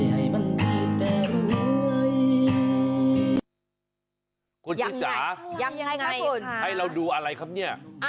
ให้เราดูอะไรครับเนี่ย